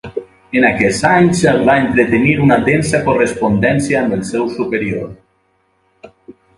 En aquests anys va entretenir una densa correspondència amb el seu superior.